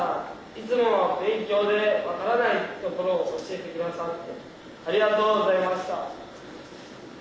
いつも勉強で分からないところを教えて下さってありがとうございました。